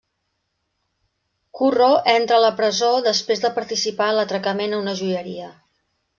Curro entra a la presó després de participar en l'atracament a una joieria.